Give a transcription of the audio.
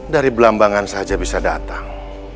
dari belambangan saja bisa datang